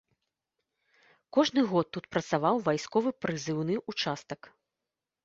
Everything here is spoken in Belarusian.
Кожны год тут працаваў вайсковы прызыўны ўчастак.